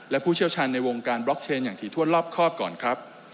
และผู้เชี่ยวชาญในวงการบล็อกเชนอย่างถี่ถ้วนรอบครอบก่อนครับ